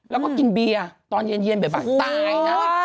แล้วก็กินเบียร์ตอนเย็นบ่ายตายนะ